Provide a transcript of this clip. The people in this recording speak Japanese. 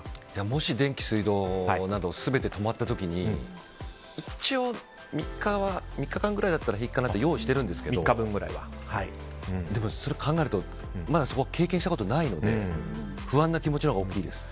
もし電気、水道など全て止まった時に一応、３日間ぐらいだったら平気かなと用意していますがでも、それを考えるとまだ経験したことがないので不安な気持ちのほうが大きいです。